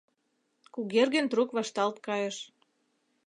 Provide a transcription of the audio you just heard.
Кугергин трук вашталт кайыш.